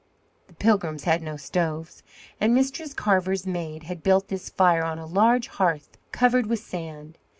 The Pilgrims had no stoves, and Mistress Carver's maid had built this fire on a large hearth covered with sand.